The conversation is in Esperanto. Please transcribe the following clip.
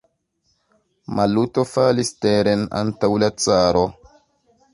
Maluto falis teren antaŭ la caro.